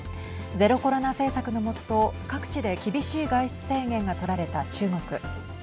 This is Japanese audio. ゼロコロナ政策の下各地で厳しい外出制限が取られた中国。